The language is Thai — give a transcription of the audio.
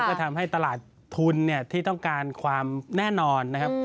ก็ทำให้ตลาดทุนที่ต้องการความแน่นอนนะครับ